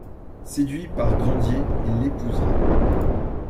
Séduit par Grandier, il l'épousera.